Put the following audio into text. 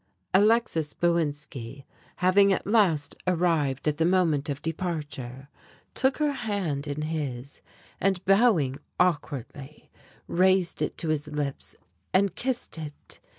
Alexis Bowinski, having at last arrived at the moment of departure, took her hand in his and, bowing awkwardly, raised it to his lips and kissed it!